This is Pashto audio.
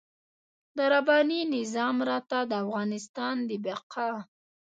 د رباني نظام راته د افغانستان د بقا.